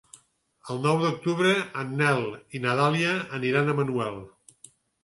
El nou d'octubre en Nel i na Dàlia aniran a Manuel.